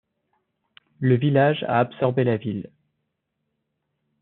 Le village a absorbé la ville.